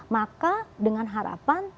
maka dengan harapan